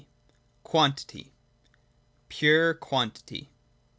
— Quantity. (a) Pure Quantity.